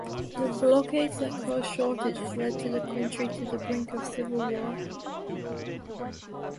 The blockades that caused shortages led the country to the brink of civil war.